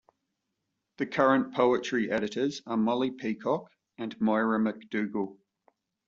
The current poetry editors are Molly Peacock and Moira MacDougall.